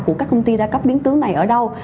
của các công ty đa cấp biến tướng này ở đâu